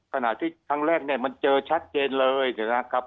ขณะที่ครั้งแรกเนี่ยมันเจอชัดเจนเลยนะครับ